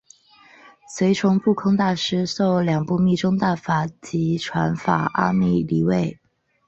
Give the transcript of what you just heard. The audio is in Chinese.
随从不空大师受两部密宗大法及传法阿阇黎位。